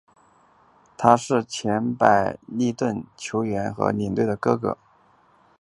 他是前白礼顿球员及领队的哥哥。